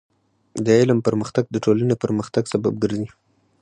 د علم پرمختګ د ټولنې پرمختګ سبب ګرځي.